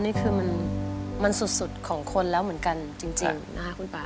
นี่คือมันสุดของคนแล้วเหมือนกันจริงนะคะคุณป่า